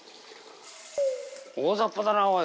大ざっぱだなおい。